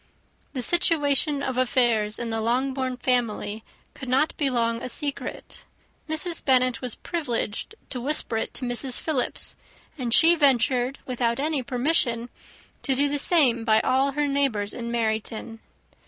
The situation of affairs in the Longbourn family could not be long a secret. Mrs. Bennet was privileged to whisper it to Mrs. Philips, and she ventured, without any permission, to do the same by all her neighbours in Meryton.